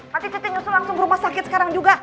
nanti cucu langsung ke rumah sakit sekarang juga